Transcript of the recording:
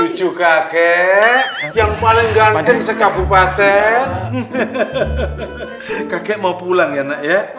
lukman cucu kakek yang paling ganteng sekapupaten kakek mau pulang ya nak ya